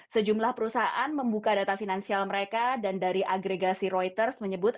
sejumlah perusahaan membuka data finansial mereka dan dari agregasi reuters menyebut